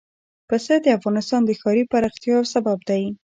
پسه د افغانستان د ښاري پراختیا یو سبب دی.